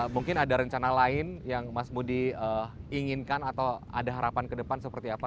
mungkin ada rencana lain yang mas budi inginkan atau ada harapan ke depan seperti apa